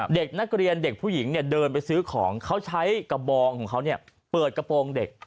เด็กนักเรียนเด็กผู้หญิงเนี่ยเดินไปซื้อของเขาใช้กระบองของเขาเปิดกระโปรงเด็ก